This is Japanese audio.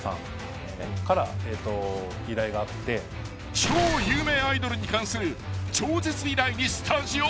［超有名アイドルに関する超絶依頼にスタジオ騒然］